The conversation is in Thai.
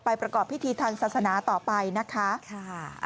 ประกอบพิธีทางศาสนาต่อไปนะคะ